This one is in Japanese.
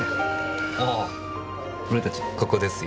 あぁ俺たちここですよ。